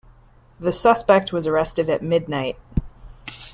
The suspect was arrested at midnight